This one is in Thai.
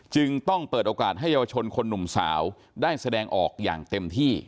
จึงต้องเปิดโอกาสให้เยาวชนคนหนุ่มสาวได้แสดงออกอย่างเต็มที่